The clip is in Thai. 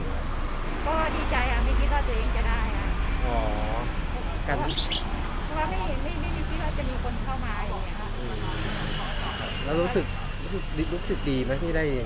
เนี้ยครับอืมเรารู้สึกรู้สึกรู้สึกดีไหมที่ได้อย่างนี้อืม